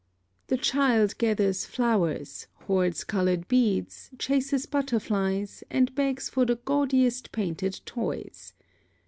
+ (4) The child gathers flowers, hoards colored beads, chases butterflies, and begs for the gaudiest painted toys.